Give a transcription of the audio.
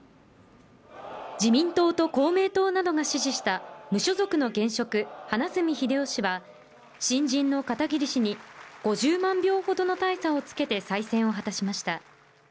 自民党と公明党などが支持した、無所属の現職・花角英世氏は新人の片桐氏に５０万票ほどの大差をつけて再選を果たしました。